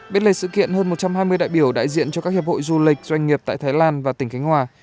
bên lề sự kiện hơn một trăm hai mươi đại biểu đại diện cho các hiệp hội du lịch doanh nghiệp tại thái lan và tỉnh khánh hòa